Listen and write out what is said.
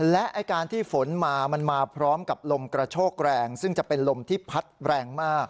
และการที่ฝนมามันมาพร้อมกับลมกระโชกแรงซึ่งจะเป็นลมที่พัดแรงมาก